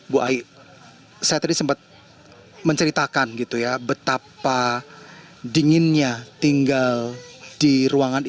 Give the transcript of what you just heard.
bu aik saya tadi sempat menceritakan betapa dinginnya tinggal di ruangan ini